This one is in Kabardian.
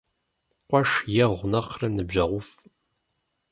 Къуэш егъу нэхърэ ныбжьэгъуфӀ.